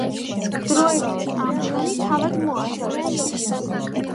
დროებითი ამბიონი თავად მოაწყვეს.